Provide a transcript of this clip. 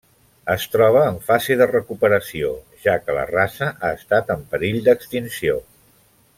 Es troba en fase de recuperació, ja que la raça ha estat en perill d'extinció.